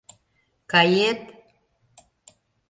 Кае-ет!..